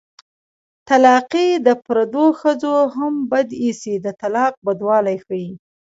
طلاقي د پردو ښځو هم بد ايسي د طلاق بدوالی ښيي